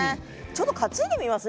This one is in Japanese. ちょっと担いでみます？